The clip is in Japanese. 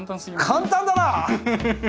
簡単だな！